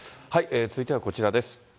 続いてはこちらです。